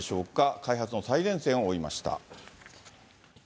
開発の最前線を追いました。